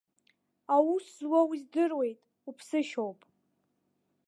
Аус злоу, издыруеит, уԥсышьоуп.